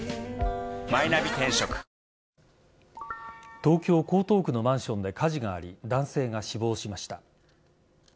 東京・江東区のマンションで火事があり、男性が死亡しました。